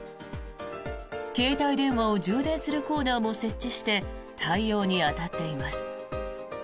携帯電話を充電するコーナーも設置して対応に当たっています。